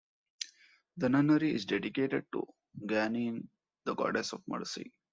The nunnery is dedicated to Guanyin, the Goddess of Mercy.